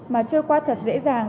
mà trôi qua thật dễ dàng